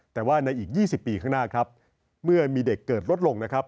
แต่ว่าในอีก๒๐ปีข้างหน้าครับเมื่อมีเด็กเกิดลดลงนะครับ